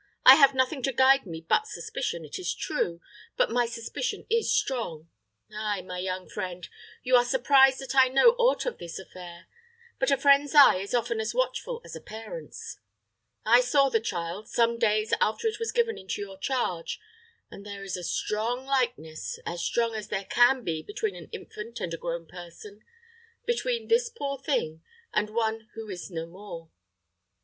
I have nothing to guide me but suspicion, it is true; but my suspicion is strong. Ay, my young friend: you are surprised that I know aught of this affair; but a friend's eye is often as watchful as a parent's. I saw the child, some days after it was given into your charge, and there is a strong likeness as strong as there can be between an infant and a grown person between this poor thing and one who is no more."